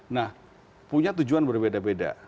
nah punya tujuan berbeda beda